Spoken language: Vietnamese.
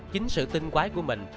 chính sự tinh quái của mình